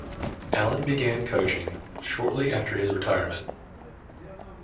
Allen began coaching shortly after his retirement.